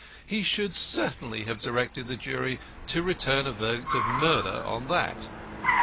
He should certainly have directed the jury to return a verdict of murder on that.